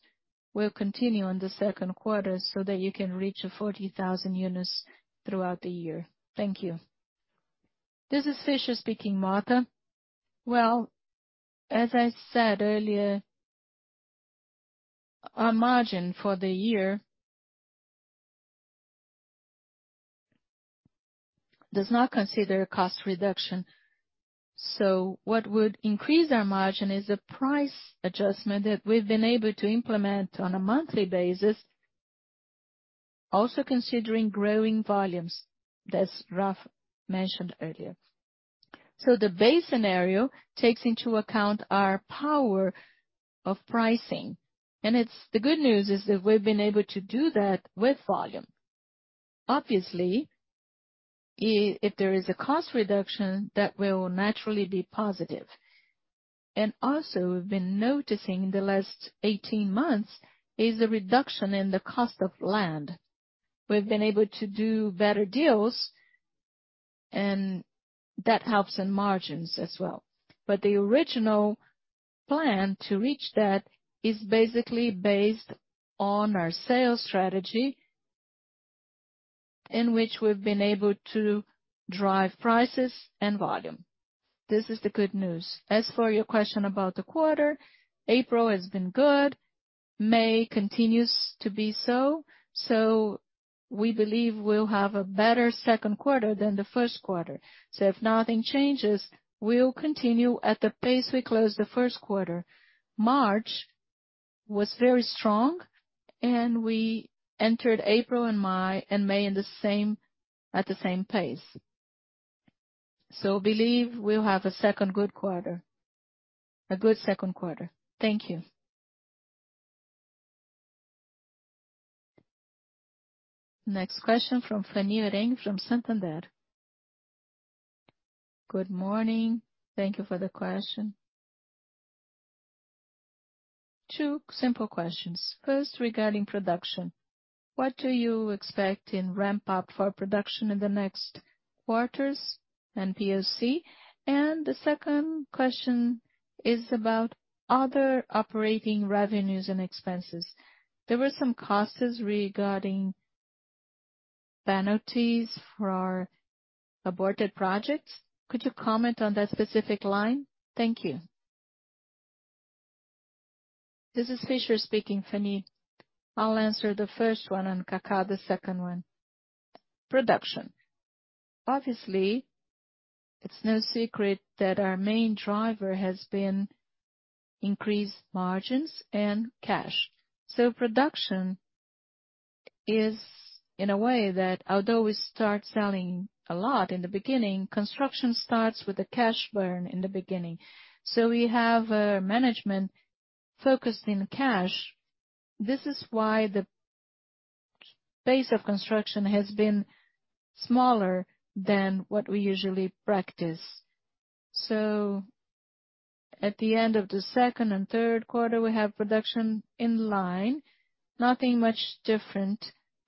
will continue in the second quarter so that you can reach 40,000 units throughout the year. Thank you.
This is Fischer speaking, Motta. Well, as I said earlier, our margin for the year does not consider cost reduction. What would increase our margin is a price adjustment that we've been able to implement on a monthly basis, also considering growing volumes, as Rafa mentioned earlier. The base scenario takes into account our power of pricing. The good news is that we've been able to do that with volume. Obviously, if there is a cost reduction, that will naturally be positive. Also we've been noticing in the last 18 months is a reduction in the cost of land. We've been able to do better deals, and that helps in margins as well. The original plan to reach that is basically based on our sales strategy, in which we've been able to drive prices and volume. This is the good news. As for your question about the quarter, April has been good. May continues to be so. We believe we'll have a better second quarter than the first quarter. If nothing changes, we'll continue at the pace we closed the first quarter. March was very strong and we entered April and May at the same pace. We believe we'll have a second good quarter. A good second quarter. Thank you.
Next question from Fanny Oreng from Santander.
Good morning. Thank you for the question. Two simple questions. First, regarding production. What do you expect in ramp up for production in the next quarters and PSC? The second question is about other operating revenues and expenses. There were some costs regarding penalties for aborted projects. Could you comment on that specific line? Thank you.
This is Fischer speaking, Fanny. I'll answer the first one, and Kaká, the second one. Production. Obviously, it's no secret that our main driver has been increased margins and cash. Production is in a way that although we start selling a lot in the beginning, construction starts with a cash burn in the beginning. We have a management focused in cash. This is why the pace of construction has been smaller than what we usually practice. At the end of the second and third quarter, we have production in line, nothing much different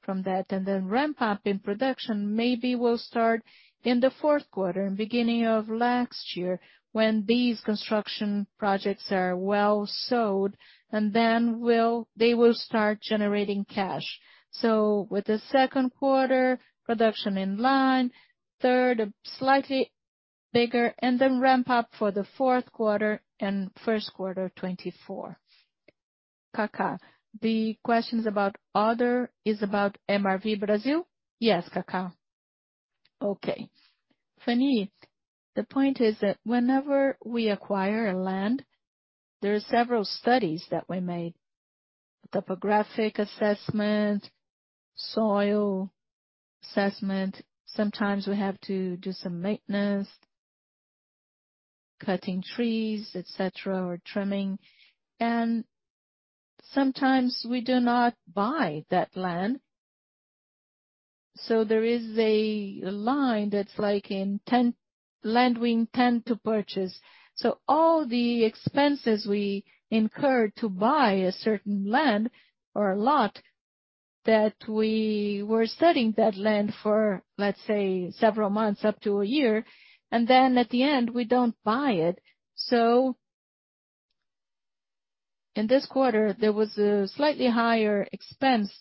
from that. Ramp up in production maybe will start in the fourth quarter, beginning of last year, when these construction projects are well sold, and then they will start generating cash. With the second quarter production in line, third slightly bigger, and then ramp up for the fourth quarter and first quarter 2024. Cacá. The questions about other is about MRV Brazil? Yes, Cacá.
Okay. Fanny, the point is that whenever we acquire a land, there are several studies that we made. Topographic assessment, soil assessment. Sometimes we have to do some maintenance, cutting trees, etc., or trimming. Sometimes we do not buy that land. There is a line that's like land we intend to purchase. All the expenses we incur to buy a certain land or a lot that we were studying that land for, let's say, several months up to a year, and then at the end we don't buy it. In this quarter there was a slightly higher expense.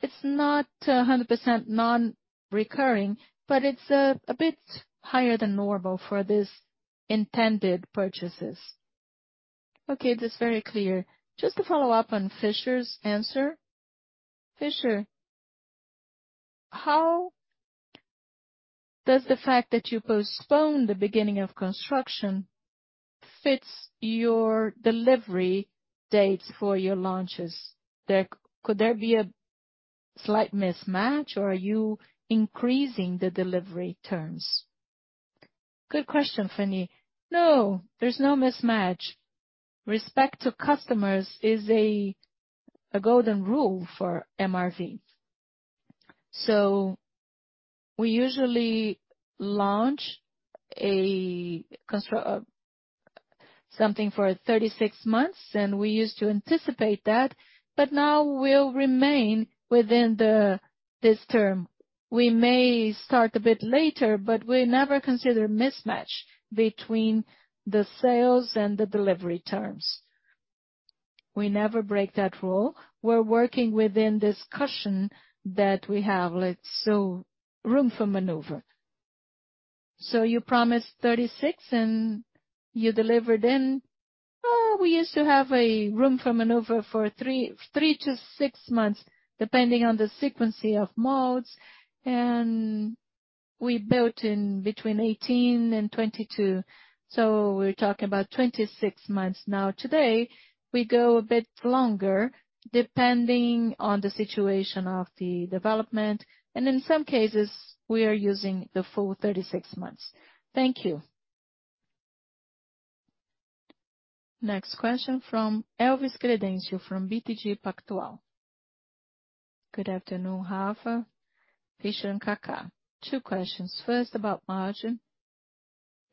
It's not 100% non-recurring, but it's a bit higher than normal for these intended purchases.
Okay, that's very clear. Just to follow up on Fischer's answer. Fischer, Does the fact that you postponed the beginning of construction fits your delivery dates for your launches? Could there be a slight mismatch, or are you increasing the delivery terms?
Good question, Fanny. No, there's no mismatch. Respect to customers is a golden rule for MRV. We usually launch something for 36 months, and we used to anticipate that, but now we'll remain within the, this term. We may start a bit later, but we never consider mismatch between the sales and the delivery terms. We never break that rule. We're working within this cushion that we have, like so, room for maneuver.
You promised 36 and you deliver then?
We used to have a room for maneuver for 3-6 months, depending on the sequence of molds, and we built in between 18 and 22. We're talking about 26 months now. Today, we go a bit longer depending on the situation of the development, and in some cases, we are using the full 36 months. Thank you.
Next question from Elvis Credendio from BTG Pactual.
Good afternoon, Rafa, Fischer, Kaká. Two questions. First, about margin.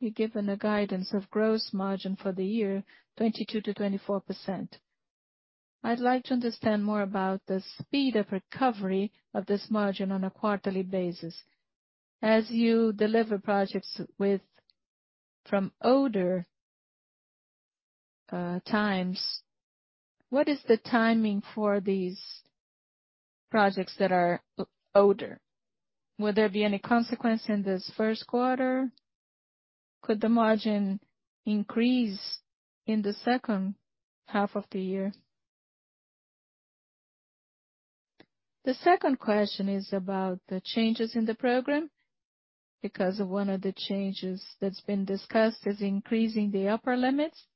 You've given a guidance of gross margin for the year, 22%-24%. I'd like to understand more about the speed of recovery of this margin on a quarterly basis. As you deliver projects with, from older times, what is the timing for these projects that are older? Will there be any consequence in this 1st quarter? Could the margin increase in the 2nd half of the year? The 2nd question is about the changes in the program, because one of the changes that's been discussed is increasing the upper limits.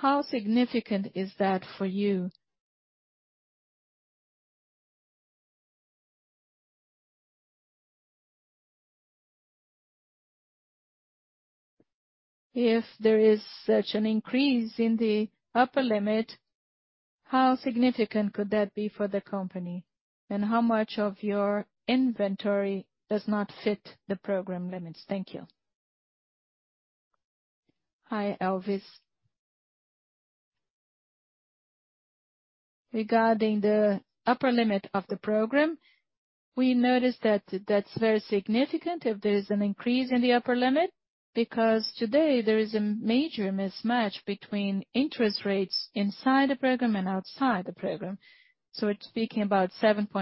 How significant is that for you? If there is such an increase in the upper limit, how significant could that be for the company? How much of your inventory does not fit the program limits? Thank you.
Hi, Elvis Credendio. Regarding the upper limit of the program, we noticed that that's very significant if there is an increase in the upper limit, because today there is a major mismatch between interest rates inside the program and outside the program. It's speaking about 7.5+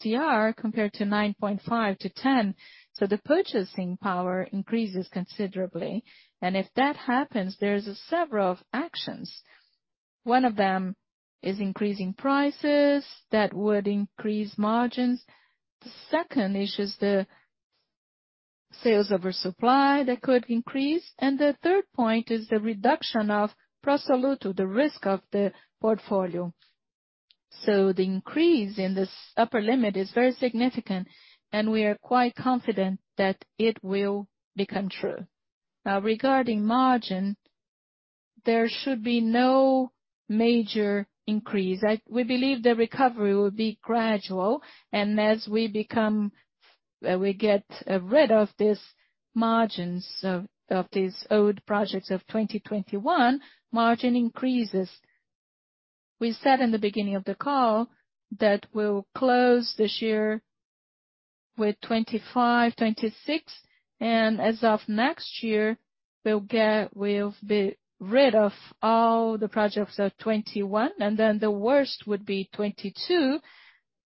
TR compared to 9.5%-10%. The purchasing power increases considerably. If that happens, there are several actions. One of them is increasing prices that would increase margins. The second is just the sales oversupply that could increase. The third point is the reduction of pro soluto, the risk of the portfolio. The increase in this upper limit is very significant, and we are quite confident that it will become true. Regarding margin, there should be no major increase. We believe the recovery will be gradual. As we become, we get rid of these margins of these owed projects of 2021, margin increases. We said in the beginning of the call that we'll close this year with 25-26. As of next year, we'll be rid of all the projects of 2021. The worst would be 2022,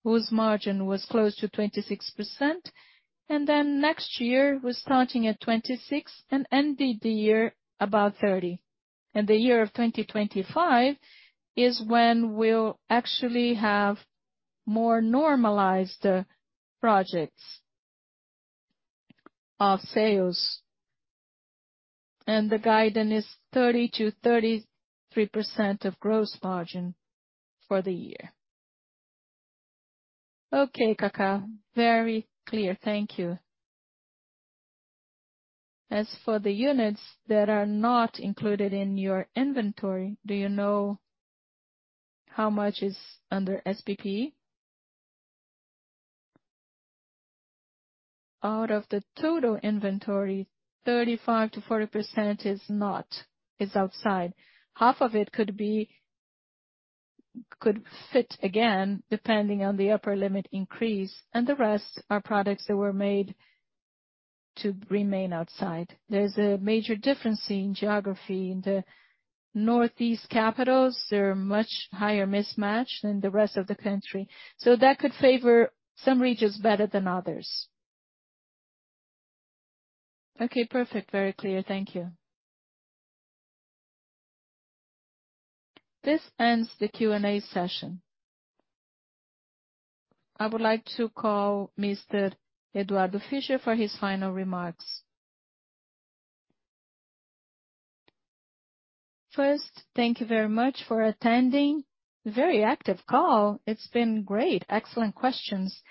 whose margin was close to 26%. Next year, we're starting at 26 and end the year about 30. The year of 2025 is when we'll actually have more normalized projects of sales. The guidance is 30%-33% of gross margin for the year.
Okay, Kaká. Very clear. Thank you. As for the units that are not included in your inventory, do you know how much is under SPP?
Out of the total inventory, 35%-40% is not. It's outside. Half of it could fit again, depending on the upper limit increase. The rest are products that were made to remain outside. There's a major difference in geography. In the Northeast capitals, there are much higher mismatch than the rest of the country. That could favor some regions better than others.
Okay, perfect. Very clear. Thank you.
This ends the Q&A session. I would like to call Mr. Eduardo Fischer for his final remarks.
First, thank you very much for attending. Very active call. It's been great. Excellent questions.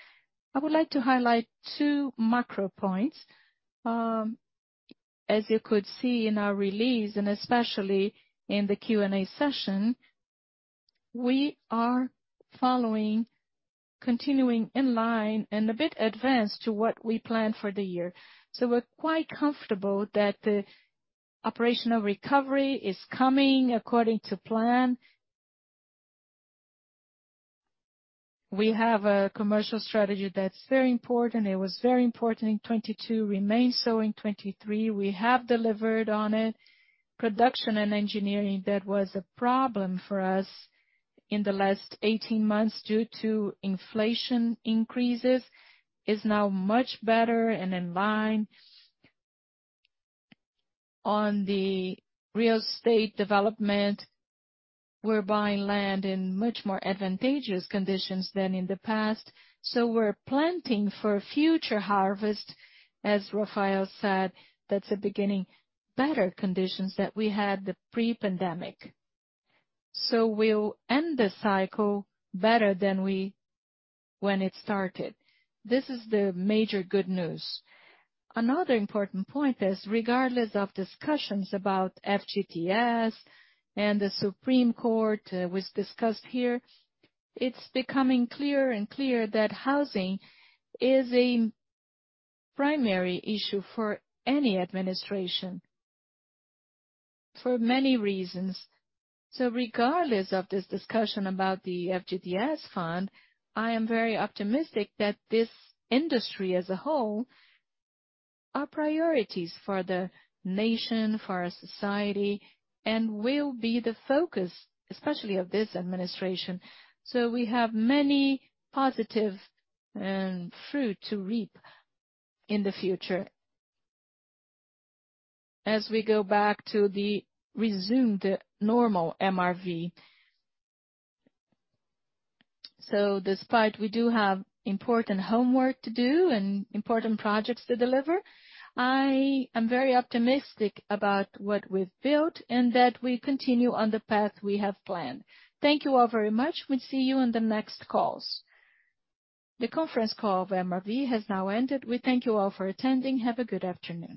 I would like to highlight two macro points. As you could see in our release, and especially in the Q&A session, we are following, continuing in line and a bit advanced to what we planned for the year. We're quite comfortable that the operational recovery is coming according to plan. We have a commercial strategy that's very important. It was very important in 22, remains so in 23. We have delivered on it. Production and engineering, that was a problem for us in the last 18 months due to inflation increases, is now much better and in line. On the real estate development, we're buying land in much more advantageous conditions than in the past, so we're planting for future harvest. As Rafael said, that's a beginning. Better conditions that we had the pre-pandemic. We'll end the cycle better than we when it started. This is the major good news. Another important point is, regardless of discussions about FGTS and the Supreme Court was discussed here, it's becoming clearer and clear that housing is a primary issue for any administration for many reasons. Regardless of this discussion about the FGTS fund, I am very optimistic that this industry as a whole are priorities for the nation, for our society, and will be the focus, especially of this administration. We have many positive fruit to reap in the future as we go back to the resumed normal MRV. Despite we do have important homework to do and important projects to deliver, I am very optimistic about what we've built and that we continue on the path we have planned. Thank you all very much. We'll see you on the next calls.
The conference call of MRV has now ended. We thank you all for attending. Have a good afternoon.